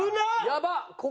やばっ！